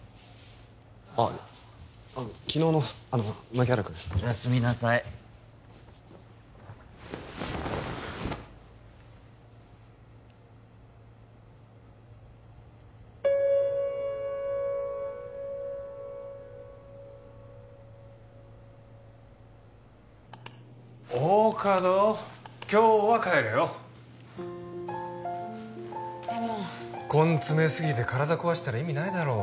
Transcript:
あっ昨日のあの牧原君おやすみなさい大加戸今日は帰れよでも根詰めすぎて体壊したら意味ないだろう